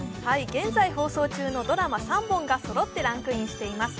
現在放送中のドラマ３本がそろってランクインしています。